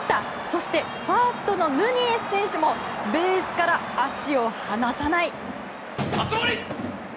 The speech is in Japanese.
そしてファーストのヌニエス選手もベースから足を離さない。